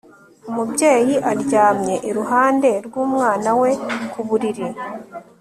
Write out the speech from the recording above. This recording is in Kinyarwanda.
Umubyeyi aryamye iruhande rwumwana we ku buriri